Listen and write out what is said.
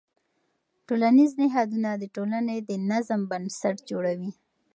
ټولنیز نهادونه د ټولنې د نظم بنسټ جوړوي.